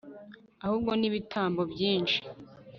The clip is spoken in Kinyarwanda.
ahubwo n'ibitambo byinshi